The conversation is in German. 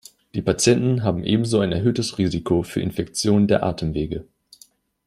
Die Patienten haben ebenso ein erhöhtes Risiko für Infektionen der Atemwege.